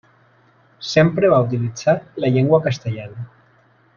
Sempre va utilitzar la llengua castellana.